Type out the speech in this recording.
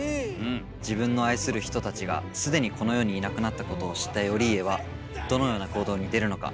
自分の愛する人たちがすでにこの世にいなくなったことを知った頼家はどのような行動に出るのか。